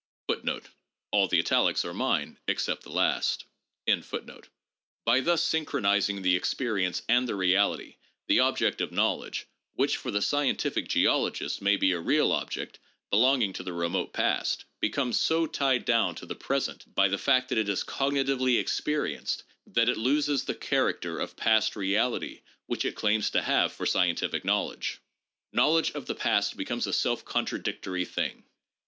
* By thus synchronizing the experience and the reality, the object of knowledge, which for the scientific geologist may be a real object belonging to the remote past, becomes so tied down to the present by the fact that it is cognitively experienced, that it loses the character of past reality which it claims to have for scientific knowledge. Knowledge of the past becomes a self con tradictory thing.